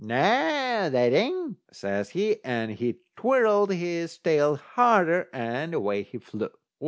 "Noo, that ain't," says he, and he twirled his tail harder, and away he flew.